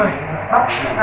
và anh của mình